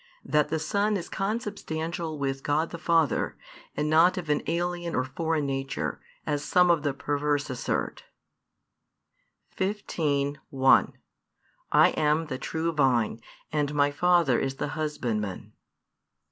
That the Son is Consubstantial with God the Father, and not of an alien or foreign nature, as some of the perverse assert. xv. 1 I am the true Vine, and My Father is the Husbandman.